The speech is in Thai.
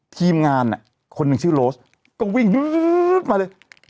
ทีมงานคนหนึ่งชื่อโรสก็วิ่งยืดมาเลย